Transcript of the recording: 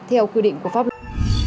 theo quy định của pháp luật